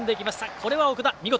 これは奥田、見事。